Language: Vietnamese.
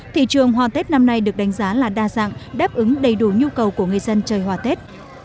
thị trường hoa tết năm nay được đánh giá là đa dạng đáp ứng đầy đủ nhu cầu của người dân chơi hoa tết